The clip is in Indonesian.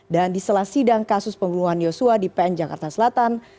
dan di selasidang kasus pembunuhan yosua di pn jakarta selatan